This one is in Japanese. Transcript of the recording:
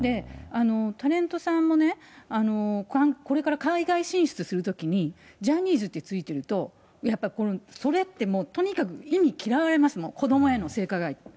タレントさんもね、これから海外進出するときに、ジャニーズって付いてると、やっぱり、それってもうとにかく忌み嫌われますもん、子どもへの性加害。